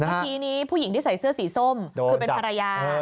เมื่อกี้นี้ผู้หญิงที่ใส่เสื้อสีส้มคือเป็นภรรยา